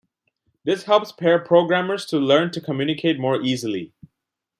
This helps pair programmers to learn to communicate more easily.